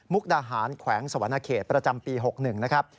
มุกดาหารแขวงสวรรค์นาเกษประจำปี๖๑นะครับ